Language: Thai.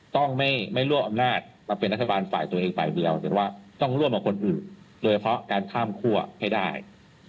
ต้องร่วมกับคนอื่นเลยเพราะการข้ามคั่วให้ได้